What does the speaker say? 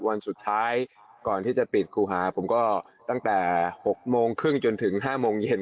วันสุดท้ายก่อนที่จะปิดครูหาผมก็ตั้งแต่๖โมงครึ่งจนถึง๕โมงเย็น